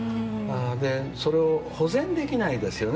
それを保全できないですよね